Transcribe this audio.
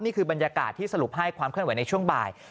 นี่คือบรรยากาศที่สรุปให้ความเคลื่อนไหวในช่วงบ่าย